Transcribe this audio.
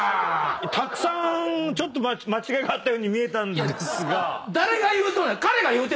たくさん間違いがあったように見えたんですが。